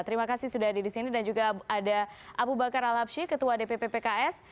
terima kasih sudah ada di sini dan juga ada abu bakar al abshi ketua dpp pks